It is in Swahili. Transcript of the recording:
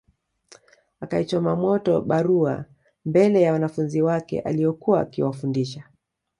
Akaichoma moto barua mbele ya wanafunzi wake aliokuwa akiwafundisha